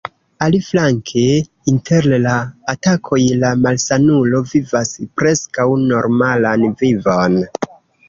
Aliflanke, inter la atakoj, la malsanulo vivas preskaŭ normalan vivon.